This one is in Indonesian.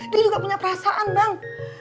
dia juga punya perasaan bang